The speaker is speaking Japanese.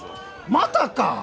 またか！？